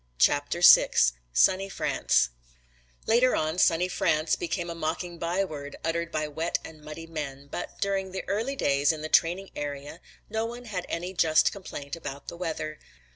CHAPTER VI SUNNY FRANCE Later on "Sunny France" became a mocking byword uttered by wet and muddy men, but during the early days in the training area no one had any just complaint about the weather.